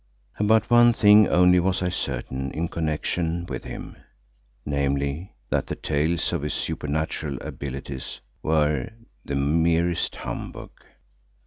About one thing only was I certain in connection with him, namely, that the tales of his supernatural abilities were the merest humbug.